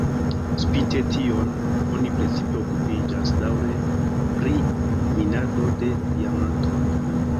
Spite tion, oni precipe okupiĝas daŭre pri minado de diamantoj.